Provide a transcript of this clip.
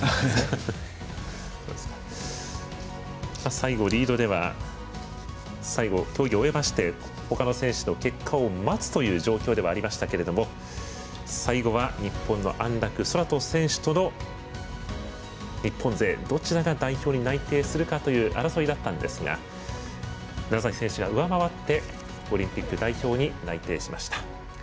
最後リードでは競技を終えまして他の選手と結果を待つという状況ではありましたけど最後は日本の安楽宙斗選手との日本勢どちらが代表に内定するかという争いでしたが楢崎選手が上回ってオリンピック代表に内定しました。